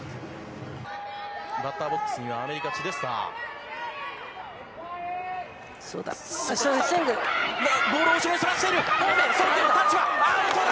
バッターボックスには、アメリカ、そうだ。